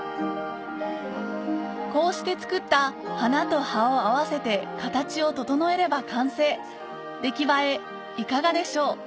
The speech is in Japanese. こうして作った花と葉を合わせて形を整えれば完成出来栄えいかがでしょう？